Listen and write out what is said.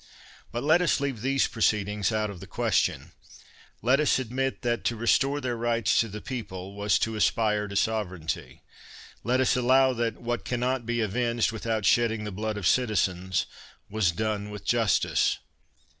But let us leave these proceedings out of the question; let us admit that to restore their rights to the people, was to aspire to sovereignty; let us allow that what cannot be avenged without shedding the blood of citizens, was done with justice.